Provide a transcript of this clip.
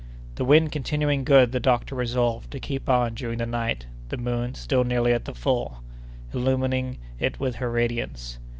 The wind continuing good, the doctor resolved to keep on during the night, the moon, still nearly at the full, illumining it with her radiance.